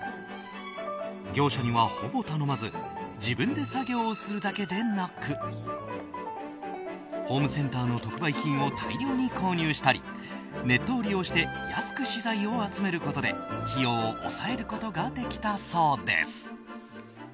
業者には、ほぼ頼まず自分で作業をするだけでなくホームセンターの特売品を大量に購入したりネットを利用して安く資材を集めることで費用を抑えることができたそうです。